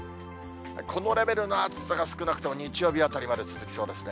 このレベルの暑さが、少なくとも日曜日あたりまで続きそうですね。